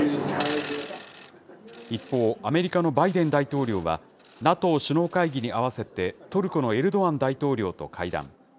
一方、アメリカのバイデン大統領は、ＮＡＴＯ首脳会議に合わせて、トルコのエルドアン大統領と会談。